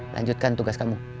lanjutkan tugas kamu